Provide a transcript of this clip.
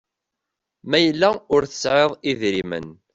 Ma yella ur tesɛiḍ idrimen